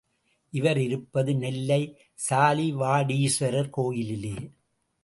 இவர் இருப்பது நெல்லை சாலிவாடீஸ்வரர் கோயிலிலே.